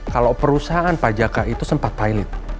kalau perusahaan pajaka itu sempat pilot